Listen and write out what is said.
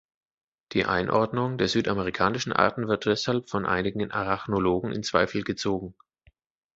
Die Einordnung der südamerikanischen Arten wird deshalb von einigen Arachnologen in Zweifel gezogen.